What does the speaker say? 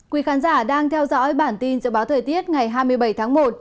quý khán giả đang theo dõi bản tin dự báo thời tiết ngày hai mươi bảy tháng một